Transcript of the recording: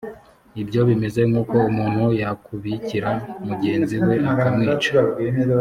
ibyo bimeze nk’uko umuntu yakubikira mugenzi we, akamwica: